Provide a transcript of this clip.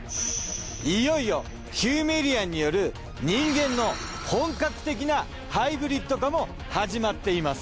いよいよヒューメイリアンによる人間の本格的なハイブリッド化も始まっています。